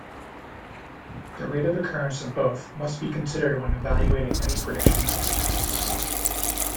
The rate of occurrence of both must be considered when evaluating any prediction method.